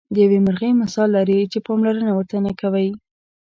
د یوې مرغۍ مثال لري چې پاملرنه ورته نه کوئ.